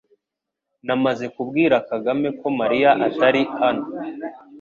Namaze kubwira Kagame ko Mariya atari hano